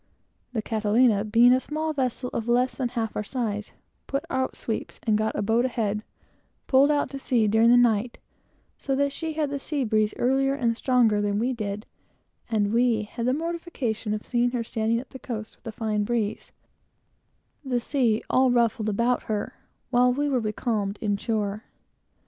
The Catalina, being a small vessel, of less than half our size, put out sweeps and got a boat ahead, and pulled out to sea, during the night, so that she had the sea breeze earlier and stronger than we did, and we had the mortification of seeing her standing up the coast, with a fine breeze, the sea all ruffled about her, while we were becalmed, in shore.